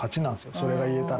それが言えたら。